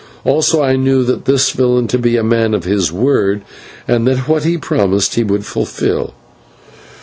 Also I knew this villain to be a man of his word, and that what he promised he would fulfil.